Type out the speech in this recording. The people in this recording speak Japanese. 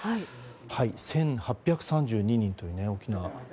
１８３２人という大きな。